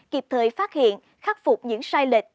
kịp thời phát hiện khắc phục những sai lệch